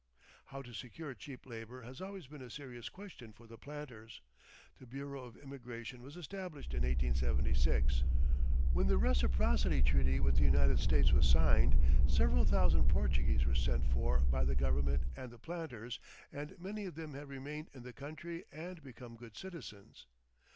How to secure cheap labour has always been a serious question for the planters. The Bureau of Immigration was established in 1876. When the Reciprocity Treaty with the United States was signed, several thousand Portuguese were sent for by the government and the planters, and many of them have remained in the country and become good citizens.